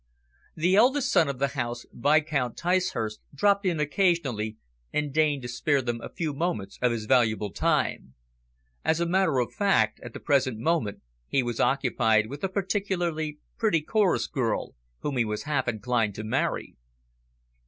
The eldest son of the house. Viscount Ticehurst, dropped in occasionally, and deigned to spare them a few moments of his valuable time. As a matter of fact, at the present moment he was occupied with a particularly pretty chorus girl, whom he was half inclined to marry.